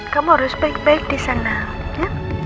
kamu harus baik baik disana ya